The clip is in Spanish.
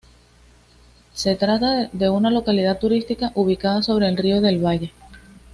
Se trata de una localidad turística ubicada sobre el río del Valle.